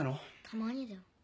たまにだよ。